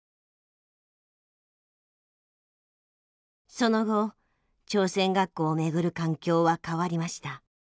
その後朝鮮学校をめぐる環境は変わりました。